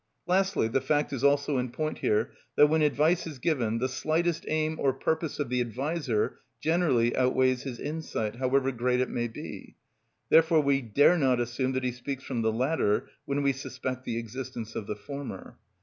Lastly, the fact is also in point here, that when advice is given the slightest aim or purpose of the adviser generally outweighs his insight, however great it may be; therefore we dare not assume that he speaks from the latter when we suspect the existence of the former.